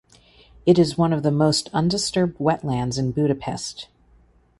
It is one of the most undisturbed wetlands in Budapest.